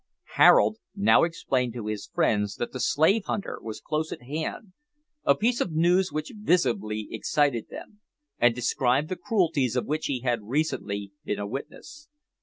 Harold now explained to his friends that the slave hunter was close at hand a piece of news which visibly excited them, and described the cruelties of which he had recently been a witness.